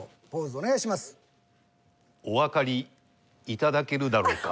おわかりいただけるだろうか。